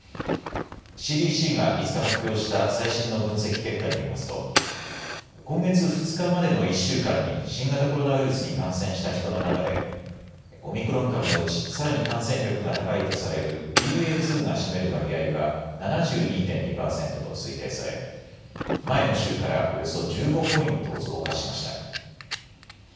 ＣＤＣが５日、発表した最新の分析結果によりますと今月２日までの１週間に新型コロナウイルスに感染した人の中でオミクロン株のうちさらに感染力が高いとされるＢＡ．２が占める割合は７２．２％と推定され前の週からおよそ１５ポイント増加しました。